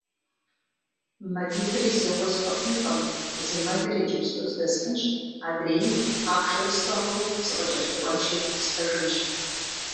МэлитӀри зэуэ схуэхьынкъым, зы мэлыр иджыпсту здэсхьынщ, адрейм, ахъшэри сӀыгъыу, сыкъыкӀэлъыкӀуэнщи схьыжынщ.